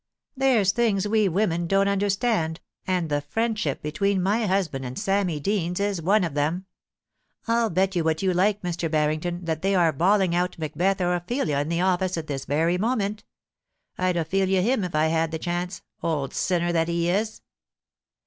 There's things we women don't understand, and the friendship between my husband and Sammy Deans is one of them. ... I'll bet you what you like, Mr. Barrington, that they are bawling out Macbeth or Ophelia in the office at this very moment I'd Ophelia him if I had the chance, old sinner that he is